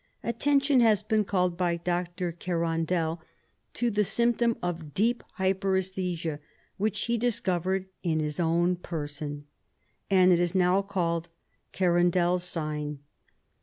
Attention has been called by Dr. Kerandel to the symp tom of deep hypertesthesia, which he discovered in his own person, and it is now called Kerandel' s sign.